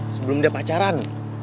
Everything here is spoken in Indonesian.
sebelum dia pacaran